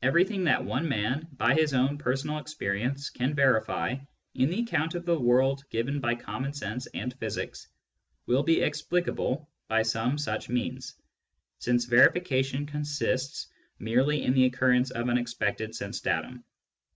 Everything that one man, by his own personal experience, can verify in the account of the world given by common sense and physics, will be explicable by some such means, since verification consists merely in the occurrence of an ex pected sense datum.